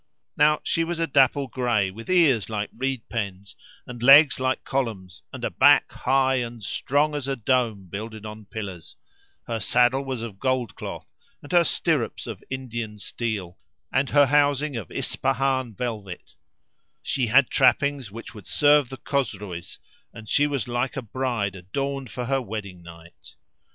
Now she was a dapple grey, [FN#372] with ears like reed pens and legs like columns and a back high and strong as a dome builded on pillars; her saddle was of gold cloth and her stirrups of Indian steel, and her housing of Ispahan velvet; she had trappings which would serve the Chosroës, and she was like a bride adorned for her wedding night.